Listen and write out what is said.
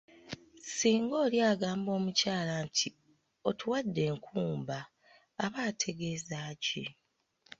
Singa oli agamba omukyala nti ‘otuwadde enkumba’ aba ategeeza ki?